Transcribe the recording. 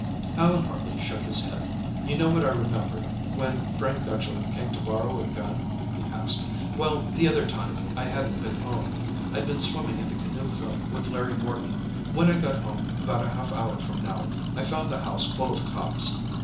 Allan Hartley shook his head. "You know what I remembered, when Frank Gutchall came to borrow a gun?" he asked. "Well, the other time, I hadn't been home: I'd been swimming at the Canoe Club, with Larry Morton. When I got home, about half an hour from now, I found the house full of cops.